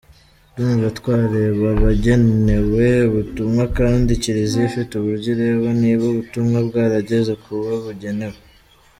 Ndumva twareba abagenewe ubutumwa kandi Kiliziya ifite uburyo ireba niba ubutumwa bwarageze kubo bugenewe.